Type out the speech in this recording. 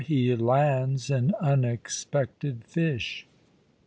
HE LANDS AN UNEXPECTED FISH.